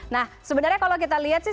nah sebenarnya kalau kita lihat sih